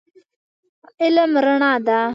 علم رڼا ده.